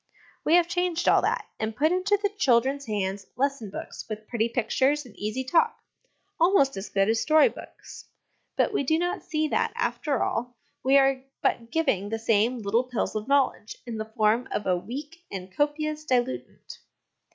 We have changed all that, and put into the children's hands lesson books with pretty pictures and easy talk, almost as good as story books ; but we do not see that, after all, we are but giving the same little pills of knowledge in the form of a weak and copious diluent.